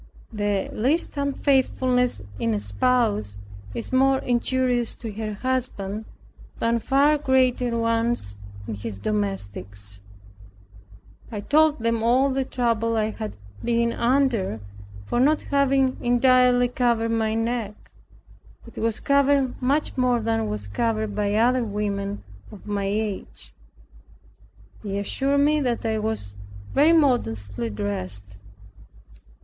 The least unfaithfulness in a spouse is more injurious to her husband, than far greater ones in his domestics. I told them all the trouble I had been under for not having entirely covered my neck. It was covered much more than was covered by other women of my age. They assured me that I was very modestly dressed.